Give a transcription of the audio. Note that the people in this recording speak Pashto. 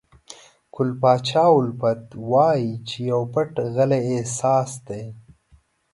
ګل پاچا الفت وایي چې پو پټ غلی احساس دی.